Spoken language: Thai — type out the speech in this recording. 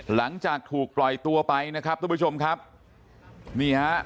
หลังจากถูกปล่อยตัวไปนะครับทุกผู้ชมครับนี่ฮะ